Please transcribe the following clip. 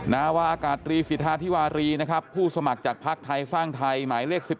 นาวาอากาศตรีสิทธาธิวารีนะครับผู้สมัครจากภักดิ์ไทยสร้างไทยหมายเลข๑๑